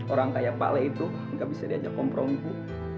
orang kayak pak le itu gak bisa diajak kompromi bu